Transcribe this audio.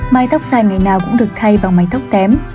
mái tóc dài ngày nào cũng được thay bằng mái tóc tém